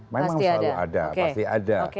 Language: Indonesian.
memang selalu ada